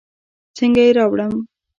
څنګه يې راوړم.